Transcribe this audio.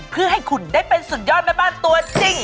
เพื่อให้คุณได้เป็นสุดยอดแม่บ้านตัวจริง